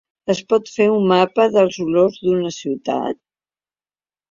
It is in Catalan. Es pot fer un mapa de les olors d’una ciutat?